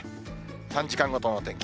３時間ごとの天気。